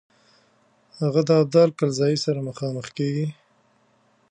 هغه د ابدال کلزايي سره مخامخ کیږي.